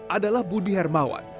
adalah budi hermawan